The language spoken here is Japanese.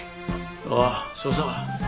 ああそうさ。